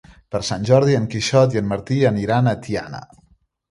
Per Sant Jordi en Quixot i en Martí aniran a Tiana.